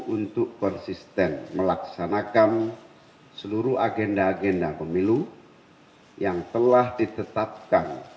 untuk konsisten melaksanakan seluruh agenda agenda pemilu yang telah ditetapkan